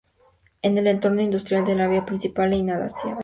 En el entorno industrial, la vía principal es la inhalación.